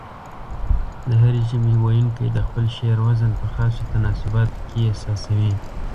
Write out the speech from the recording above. د هرې ژبې ويونکي د خپل شعر وزن په خاصو تناسباتو کې احساسوي.